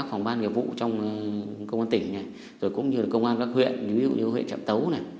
mới thành công được chuyên án